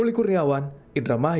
iya jualan kabah